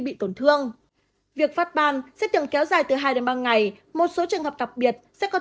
bị tổn thương việc phát ban sẽ từng kéo dài từ hai đến ba ngày một số trường hợp đặc biệt sẽ còn